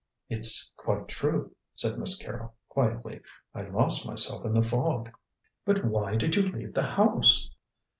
"It's quite true," said Miss Carrol quietly. "I lost myself in the fog." "But why did you leave the house?"